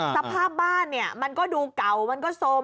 สภาพบ้านเนี่ยมันก็ดูเก่ามันก็โซม